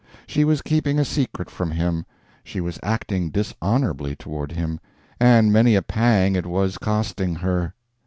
She was keeping a secret from him, she was acting dishonorably toward him, and many a pang it was costing her.